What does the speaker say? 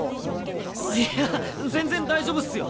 いや全然大丈夫っすよ。